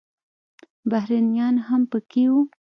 بهرنیان هم پکې وو.